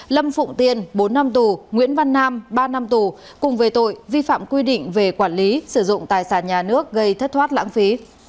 lâm phụng tiên bốn năm tù nguyễn văn nam ba năm tù cùng về tội vi phạm quy định về quản lý sử dụng tài sản nhà nước gây thất thoát lãng phí